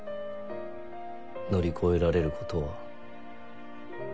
乗り越えられることは。